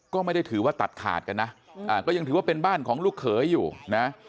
ก็ไม่ได้ถือว่าตัดขาดกันนะก็ยังถือว่าเป็นบ้านของลูกเขยอยู่นะ